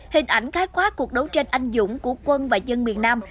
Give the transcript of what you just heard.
hình ảnh khai khóa cuộc đấu tranh anh dũng của quân và dân miền nam